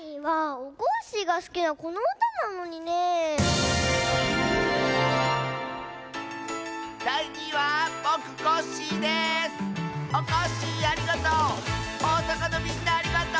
おおさかのみんなありがとう！